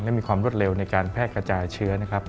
และมีความรวดเร็วในการแพร่กระจายเชื้อนะครับ